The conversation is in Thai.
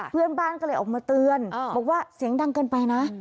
เพื่อนบ้านก็เลยออกมาเตือนบอกว่าเสียงดังเกินไปนะ